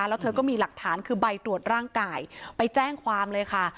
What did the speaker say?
แล้วเธอก็มีหลักฐานคือใบตรวจร่างกายไปแจ้งความเลยค่ะ